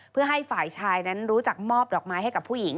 เพื่อให้ฝ่ายชายนั้นรู้จักมอบดอกไม้ให้กับผู้หญิง